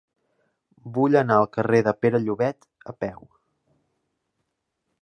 Vull anar al carrer de Pere Llobet a peu.